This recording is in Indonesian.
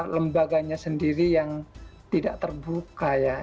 lembaganya sendiri yang tidak terbuka ya